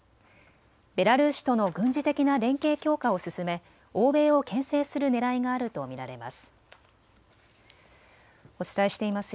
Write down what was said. ベラルーシとの軍事的な連携強化を進め欧米をけん制するねらいがあると見られます。